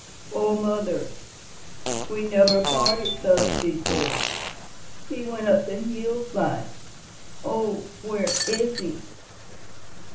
Oh, mother, we never parted thus before! He went up the hillside. Oh, where is he?"